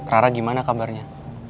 rara gimana kabarnya